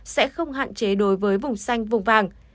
sẽ không hạn chế đối với vùng xanh vùng vàng